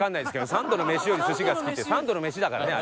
「三度の飯より寿司が好き」って三度の飯だからねあれ。